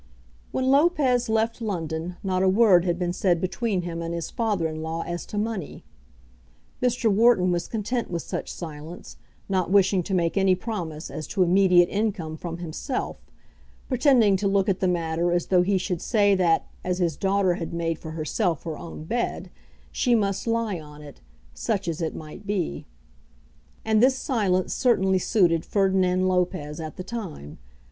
When Lopez left London not a word had been said between him and his father in law as to money. Mr. Wharton was content with such silence, not wishing to make any promise as to immediate income from himself, pretending to look at the matter as though he should say that, as his daughter had made for herself her own bed, she must lie on it, such as it might be. And this silence certainly suited Ferdinand Lopez at the time.